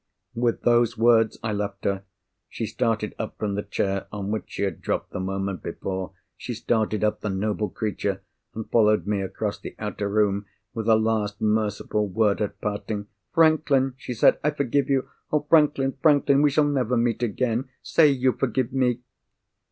With those words, I left her. She started up from the chair on which she had dropped the moment before: she started up—the noble creature!—and followed me across the outer room, with a last merciful word at parting. "Franklin!" she said, "I forgive you! Oh, Franklin, Franklin! we shall never meet again. Say you forgive _me!